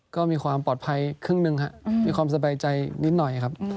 ก็มีความปลอดภัยครึ่งหนึ่งครับมีความสบายใจนิดหน่อยครับ